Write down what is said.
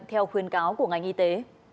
theo khuyên cáo của ngành y tế